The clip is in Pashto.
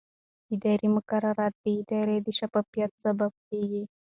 اداري مقررات د ادارې د شفافیت سبب کېږي.